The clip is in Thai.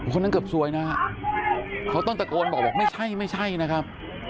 คนนั้นเกือบซวยนะฮะเขาต้องตะโกนบอกบอกไม่ใช่ไม่ใช่นะครับ